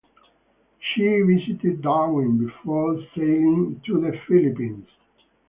She visited Darwin before sailing to the Philippines.